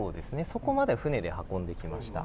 そこまで船で運んできました。